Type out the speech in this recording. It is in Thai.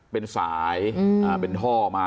เป็นสายเป็นท่อมา